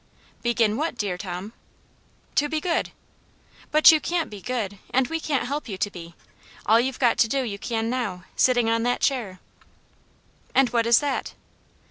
" Begin what, dear Tom ?"" To be good." " But you can't be good, and we can't help you to be. All you've got to do you can now, sitting on that chair." "And what is that?"